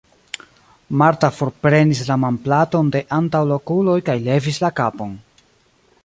Marta forprenis la manplaton de antaŭ la okuloj kaj levis la kapon.